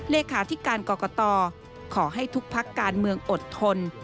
เลขาธิการกรกตขอให้ทุกพักการเมืองอดทน